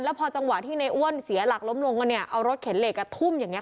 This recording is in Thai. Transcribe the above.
พอจังหวะที่ในอ้วนเสียหลักล้มลงกันเนี่ยเอารถเข็นเหล็กทุ่มอย่างนี้